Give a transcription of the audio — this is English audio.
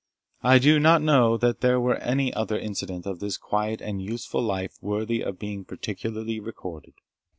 I do not know that there was any other incident of his quiet and useful life worthy of being particularly recorded.